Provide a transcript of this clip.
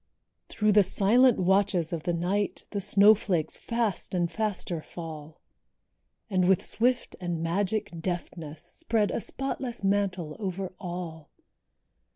Through the silent watches of the night The snowflakes fast and faster fall; And with swift and magic deftness, Spread a spotless mantle over all.